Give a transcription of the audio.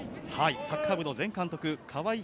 サッカー部の前監督・川合廣